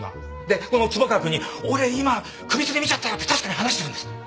でこの坪川君に「俺今首つり見ちゃったよ」って確かに話してるんです。